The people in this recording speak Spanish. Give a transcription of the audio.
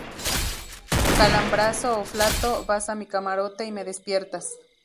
calambrazo o flato. vas a mi camarote y me despiertas.